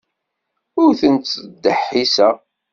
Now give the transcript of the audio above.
Ur ten-ttdeḥḥiseɣ.